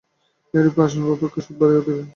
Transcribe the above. এইরূপে আসল অপেক্ষা সুদ বাড়িয়া উঠিল।